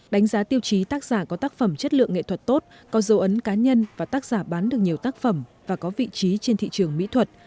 đánh giá tiêu chí tác giả có tác phẩm chất lượng nghệ thuật tốt có dấu ấn cá nhân và tác giả bán được nhiều tác phẩm và có vị trí trên thị trường mỹ thuật